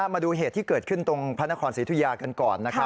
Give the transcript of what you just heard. มาดูเหตุที่เกิดขึ้นตรงพระนครศรีธุยากันก่อนนะครับ